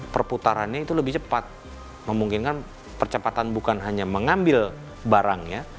perputarannya itu lebih cepat memungkinkan percepatan bukan hanya mengambil barang ya